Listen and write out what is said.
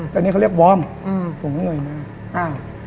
แต่นี่เขาเรียกวอร์มผมก็เหงื่อหน้า